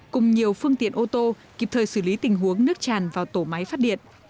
cùng nhiều phương tiện ô tô kịp thời xử lý tình huống nước tràn vào tổ máy phát điện